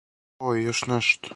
О, и још нешто!